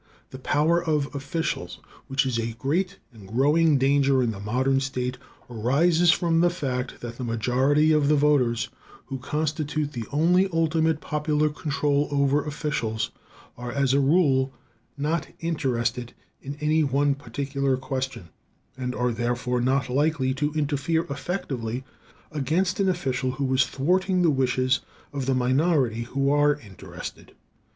The power of officials, which is a great and growing danger in the modern state, arises from the fact that the majority of the voters, who constitute the only ultimate popular control over officials, are as a rule not interested in any one particular question, and are therefore not likely to interfere effectively against an official who is thwarting the wishes of the minority who are interested.